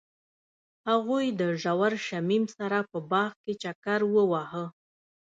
هغوی د ژور شمیم سره په باغ کې چکر وواهه.